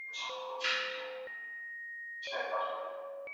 叉膜石蛏为贻贝科石蛏属的动物。